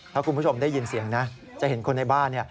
ถ้าคุณผู้ชมได้ยินเสียงนะจะเห็นคนในบ้าน